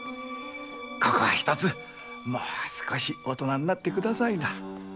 ここは一つもう少し大人になってくださいな。